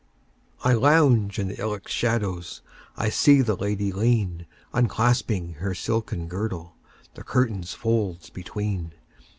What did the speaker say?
I lounge in the ilex shadows,I see the lady lean, Unclasping her silken girdle, The curtain's folds between.